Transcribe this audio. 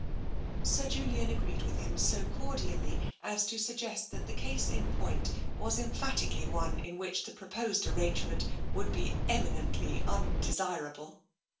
Sir Julian agreed with him so cordially as to suggest that the case in point was emphatically one in which the proposed arrangement would be eminently un desirable.